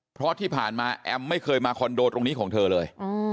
เพราะที่ผ่านมาแอมไม่เคยมาคอนโดตรงนี้ของเธอเลย